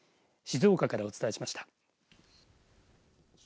静岡からお伝えしました。